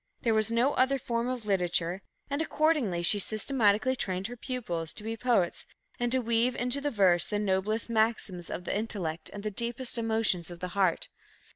There was no other form of literature, and accordingly she systematically trained her pupils to be poets, and to weave into the verse the noblest maxims of the intellect and the deepest emotions of the heart.